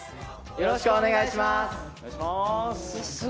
よろしくお願いします。